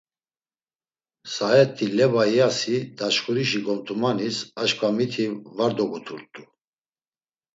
Saet̆i leba iyasi daçxurişi gomtumanis aşǩva miti var dogudurt̆u.